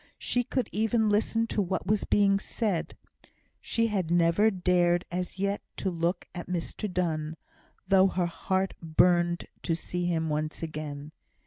She could even listen to what was being said. She had never dared as yet to look at Mr Donne, though her heart burnt to see him once again.